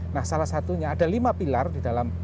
nah salah satunya ada lima pilar di dalam